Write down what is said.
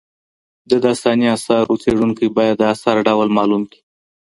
د داستاني اثارو څېړونکی باید د اثر ډول معلوم کړي.